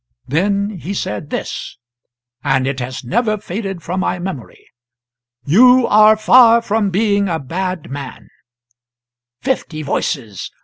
Then he said this and it has never faded from my memory: 'You are far from being a bad man ''" Fifty Voices.